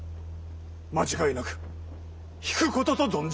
間違いなく引くことと存じまする。